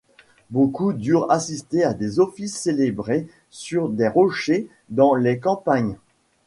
Beaucoup durent assister à des offices célébrés sur des rochers dans les campagnes.